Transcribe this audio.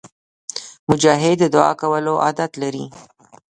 مجاهد د دعا کولو عادت لري.